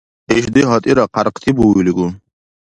Ишди гьатӀира хъярхъти буилигу!